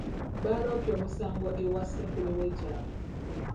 Baaloopye omusango ewa ssentebe w'ekyalo